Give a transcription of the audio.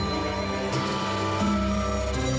โอ้โหโอ้โหโอ้โห